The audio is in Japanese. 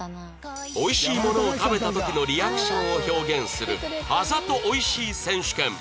おいしいものを食べた時のリアクションを表現するあざと「美味しい」選手権